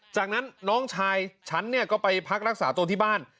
จากนั้นน้องชายฉันเนี่ยก็ไปพักรักษาตัวที่บ้าน